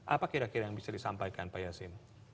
apa kira kira yang bisa disampaikan pak yasin